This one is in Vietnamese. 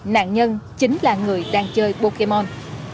nạn nhân chính là người đang chơi pokemon